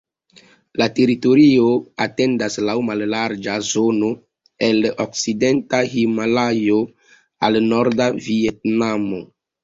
La teritorio etendas laŭ mallarĝa zono el okcidenta Himalajo al norda Vjetnamo.